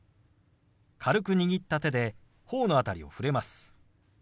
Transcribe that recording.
軽く握った手で頬の辺りを触れます。